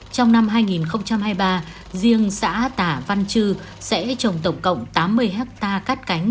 trong năm hai nghìn hai mươi ba riêng xã tả văn chư sẽ trồng tổng cộng tám mươi hectare cắt cánh